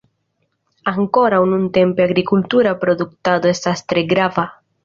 Ankoraŭ nuntempe la agrikultura produktado estas tre grava.